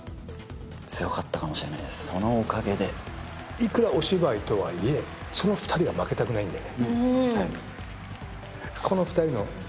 いくらお芝居とはいえ、２人は負けたくないわけだよ。